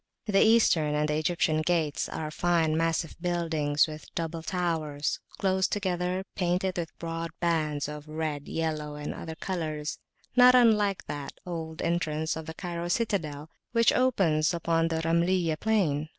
The Eastern and the Egyptian gates are fine massive buildings, with double towers close together, painted with broad bands of red, yellow, and other colors, not unlike that old entrance of the Cairo citadel which opens upon the Ramayliyah plain.